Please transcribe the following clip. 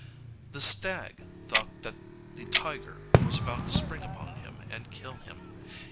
The stag thought that the tiger was about to spring upon him and kill him.